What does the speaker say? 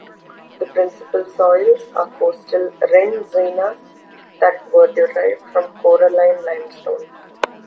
The principal soils are coastal rendzinas that were derived from coralline limestone.